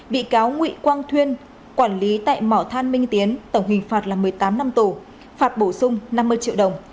bị cáo nguyễn quang thuyên quản lý tại mỏ than minh tiến tổng hình phạt là một mươi tám năm tù phạt bổ sung năm mươi triệu đồng